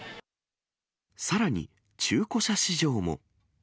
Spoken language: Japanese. さらに、中古車市場も。